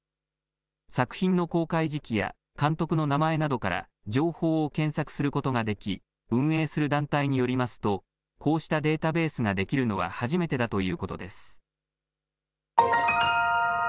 作品の公開時期や監督の名前などから情報を検索することができ、運営する団体によりますと、こうしたデータベースが出来るのは初めてだということです。